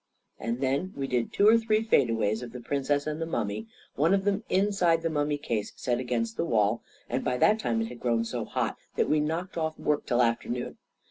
And then we did two or three fade aways of the Princess and the mummy, one of them inside the mummy case set against the wall ; and by that time it had grown so hot that we knocked off work till afternoon.